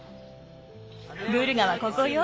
グルガはここよ。